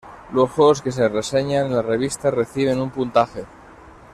Los juegos que se reseñan en la revista reciben un puntaje.